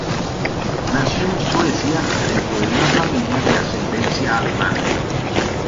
Nació en Suecia, dentro de una familia de ascendencia alemana.